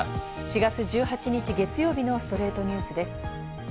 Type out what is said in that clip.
４月１８日、月曜日の『ストレイトニュース』です。